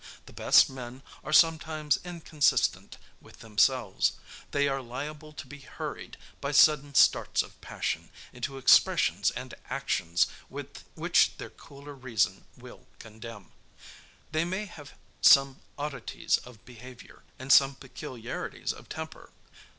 The best men are sometimes inconsistent with themselves. They are liable to be hurried, by sudden starts of passion, into expressions and actions, which their cooler reason will condemn. They may have some oddities of behavior, and some peculiarities of temper.